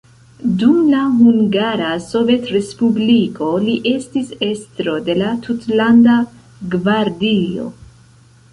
Dum la Hungara Sovetrespubliko li estis estro de la tutlanda gvardio.